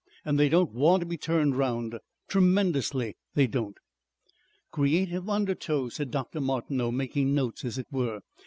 And they don't want to be turned round. Tremendously, they don't." "Creative undertow," said Dr. Martineau, making notes, as it were.